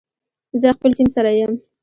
زه خپل ټیم سره یم